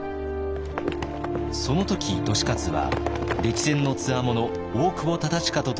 その時利勝は歴戦のつわもの大久保忠隣と共に秀忠を守り